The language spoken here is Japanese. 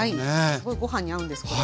すごいご飯に合うんですこれ。